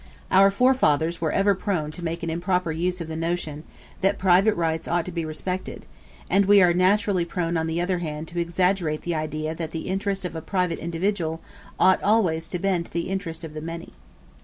Our forefathers were ever prone to make an improper use of the notion, that private rights ought to be respected; and we are naturally prone on the other hand to exaggerate the idea that the interest of a private individual ought always to bend to the interest of the many.